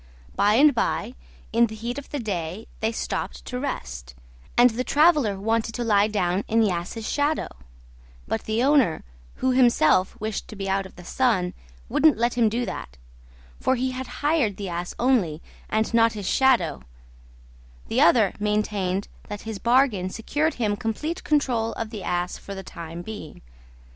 By and by, in the heat of the day, they stopped to rest, and the traveller wanted to lie down in the Ass's Shadow; but the owner, who himself wished to be out of the sun, wouldn't let him do that; for he said he had hired the Ass only, and not his Shadow: the other maintained that his bargain secured him complete control of the Ass for the time being.